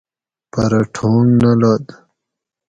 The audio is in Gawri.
پرہ ٹھونگ نہ لد